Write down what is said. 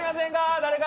誰か？